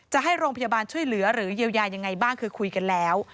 จะให้โรงพยาบาลช่วยเหลือหรือเยียวยายังไงบ้างคือคุยกันแล้ว